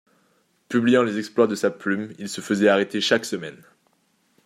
Publiant les exploits de sa plume, il se faisait arrêter chaque semaine.